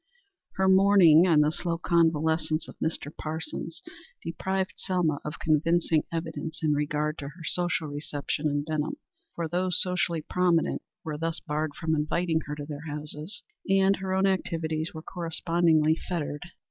Her mourning and the slow convalescence of Mr. Parsons deprived Selma of convincing evidence in regard to her social reception in Benham, for those socially prominent were thus barred from inviting her to their houses, and her own activities were correspondingly fettered.